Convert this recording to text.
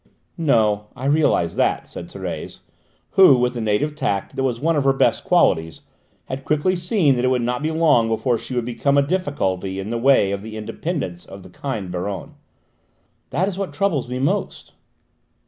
"No, I realise that," said Thérèse, who, with the native tact that was one of her best qualities, had quickly seen that it would not be long before she would become a difficulty in the way of the independence of the kind Baronne. "That is what troubles me most."